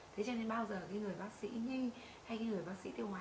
thế cho nên bao giờ người bác sĩ nhi hay người bác sĩ tiêu hóa